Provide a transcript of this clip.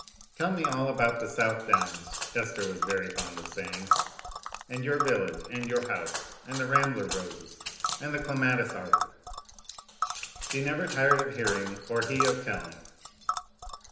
"Tell me all about the South Downs," Esther was very fond of saying; "and your village, and your house, and the rambler roses and the clematis arbour." She never tired of hearing, or he of telling.